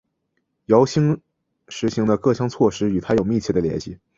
姚兴实行的各项措施与他有密切的关系。